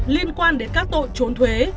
liên quan đến các tội trốn thuế